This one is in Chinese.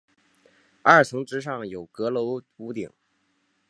二层之上有阁楼屋顶。